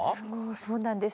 そうなんです。